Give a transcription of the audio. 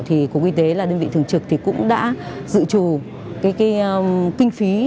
thì cục y tế là đơn vị thường trực thì cũng đã dự trù cái kinh phí